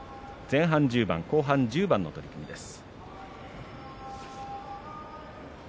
前半１０番、後半１０番の取組です。